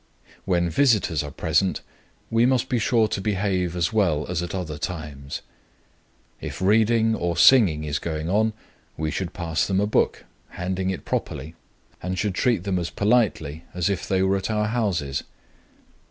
When visitors are present, we must be sure to behave as well as at other times. If reading or singing is going on, we should pass them a book, handing it properly, and should treat them as politely as if they were at our houses.